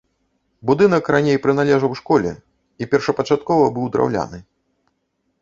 Будынак раней прыналежаў школе і першапачаткова быў драўляны.